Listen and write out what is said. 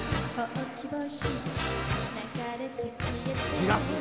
じらすね。